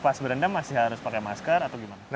pas berendam masih harus pakai masker atau gimana